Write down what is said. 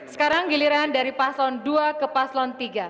sekarang giliran dari paslon dua ke paslon tiga